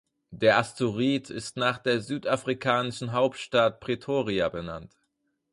Der Asteroid ist nach der südafrikanischen Hauptstadt Pretoria benannt.